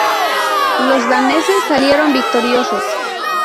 Los daneses salieron victoriosos.